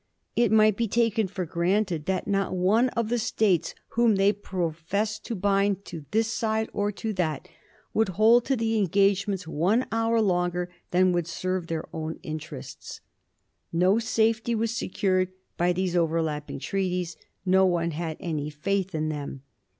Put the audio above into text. It might be taken for granted that not one of the States whom they professed to bind to this side or to that would hold to the engagements one hour longer than would serve her own interests. No safety was secured by these overlapping treaties ; no one had any faith in them.